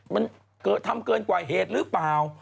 มันทำเกินกว่าเหตุหรือเปล่า